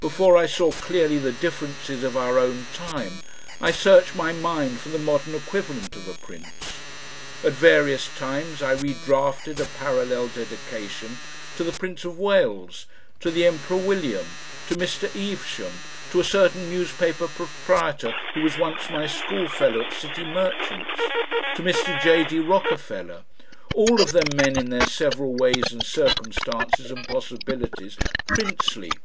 Before I saw clearly the differences of our own time I searched my mind for the modern equivalent of a Prince. At various times I redrafted a parallel dedication to the Prince of Wales, to the Emperor William, to Mr. Evesham, to a certain newspaper proprietor who was once my schoolfellow at City Merchants', to Mr. J. D. Rockefeller all of them men in their several ways and circumstances and possibilities, princely.